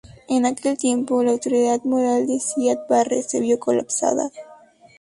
En aquel tiempo, la autoridad moral de Siad Barre se vio colapsada.